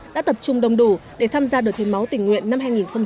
đã tập trung đông đủ để tham gia đợt hiến máu tỉnh nguyện năm hai nghìn một mươi chín